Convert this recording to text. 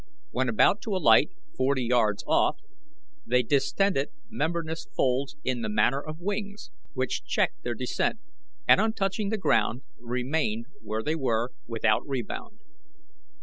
When about to alight, forty yards off, they distended membranous folds in the manner of wings, which checked their descent, and on touching the ground remained where they were without rebound.